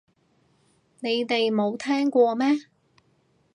你哋冇聽過咩